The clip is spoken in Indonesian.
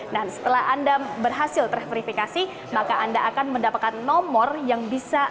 dan setelah anda berhasil terverifikasi maka anda akan mendapatkan nomor yang bisa